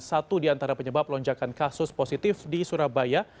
satu di antara penyebab lonjakan kasus positif di surabaya